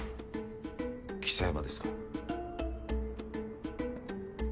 象山ですか？